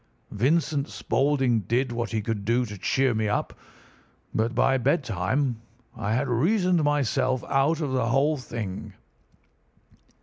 Vincent Spaulding did what he could to cheer me up, but by bedtime I had reasoned myself out of the whole thing.